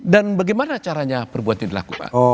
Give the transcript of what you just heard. dan bagaimana caranya perbuatan ini dilakukan